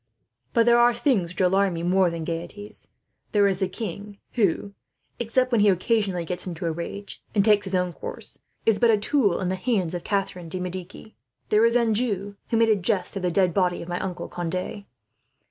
But there are things which alarm me, more than gaieties. There is the king who, except when he occasionally gets into a rage, and takes his own course, is but a tool in the hands of Catharine de Medici. There is Anjou, who made a jest of the dead body of my uncle Conde.